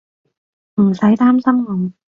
唔使擔心我